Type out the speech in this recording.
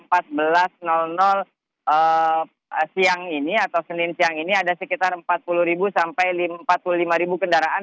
pada siang ini atau senin siang ini ada sekitar empat puluh sampai empat puluh lima kendaraan